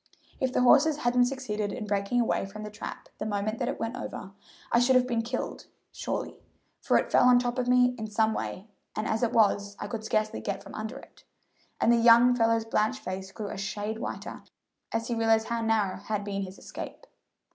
If the horses hadn't succeeded in breaking away from the trap the moment that it went over, I should have been killed surely, for it fell on top of me in some way, and as it was, I could scarcely get from under it;" and the young fellow's blanched face grew a shade whiter as he realized how narrow had been his escape.